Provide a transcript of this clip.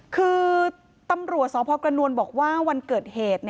คือตำรวจสพกระนวลบอกว่าวันเกิดเหตุ